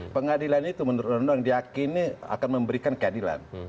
pengadilan itu menurut mereka yang diakini akan memberikan keadilan